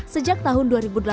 sejak tahun dua ribu delapan belas